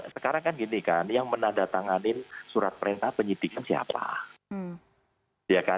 sekarang kan gini kan yang menandatanganin surat perintah penyidikan siapa